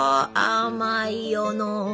あまいよの。